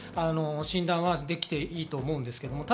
診断はできていいと思うんですけど。